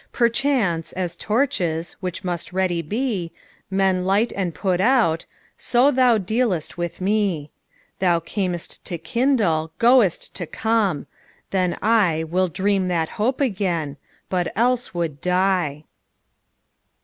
Perchance, as torches, which must ready be, Men light and put out, so thou dealst with me. Thou cam'st to kindle, goest to come: then IWill dream that hope again, but else would die.